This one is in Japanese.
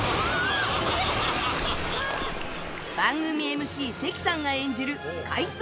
番組ＭＣ関さんが演じる怪盗